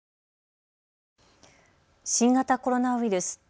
新型コロナウイルス。